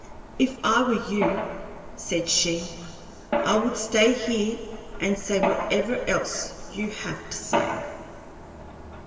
"If I were you," said she, "I would stay here and say whatever else you have to say."